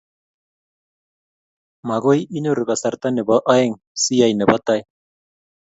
Magoi inyoru kasarta nebo aeng' siyai nebo tai